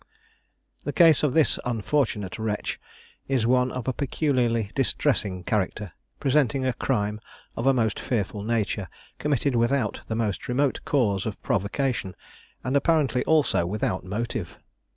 The case of this unfortunate wretch is one of a peculiarly distressing character, presenting a crime of a most fearful nature, committed without the most remote cause of provocation, and apparently also without motive.